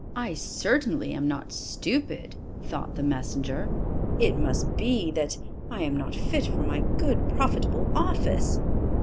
"I certainly am not stupid!" thought the messenger. "It must be, that I am not fit for my good, profitable office!